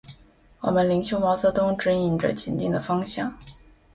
我们领袖毛泽东，指引着前进的方向。